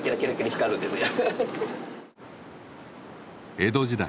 江戸時代